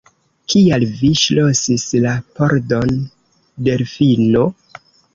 Kial vi ŝlosis la pordon, Delfino?